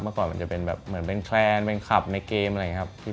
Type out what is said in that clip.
ก่อนมันจะเป็นแบบเหมือนเป็นแฟนเป็นขับในเกมอะไรอย่างนี้ครับ